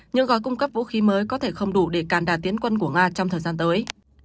những gói cung cấp vũ khí mới có thể không đủ để càn đạt tiến quân của nga trong thời gian tới